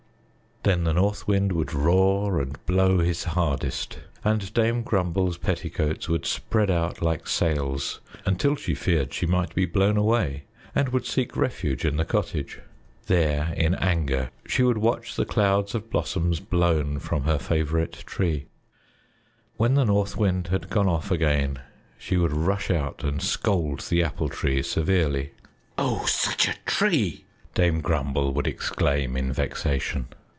Then the North Wind would roar and blow his hardest, and Dame Grumble's petticoats would spread out like sails, until she feared she might be blown away, and would seek refuge in the cottage. There in anger she would watch the clouds of blossoms blown from her favorite tree. When the North Wind had gone off again, she would rush out and scold the Apple Tree severely. "Oh! Such a tree!" Dame Grumble would exclaim in vexation.